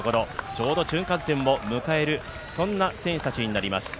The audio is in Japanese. ちょうど中間点を迎えるそんな選手たちになります。